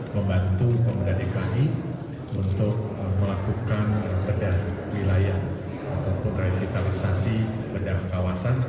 membantu pemerintah dki untuk melakukan perbedaan wilayah untuk revitalisasi berbagai kawasan